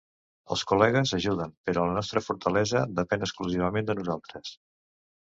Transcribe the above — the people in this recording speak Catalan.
Els col·legues ajuden, però la nostra fortalesa depèn exclusivament de nosaltres.